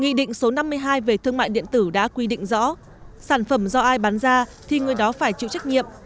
nghị định số năm mươi hai về thương mại điện tử đã quy định rõ sản phẩm do ai bán ra thì người đó phải chịu trách nhiệm